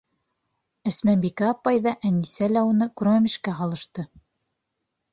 Әсмәбикә апай ҙа, Әнисә лә уны күрмәмешкә һалышты.